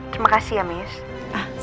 terima kasih ya miss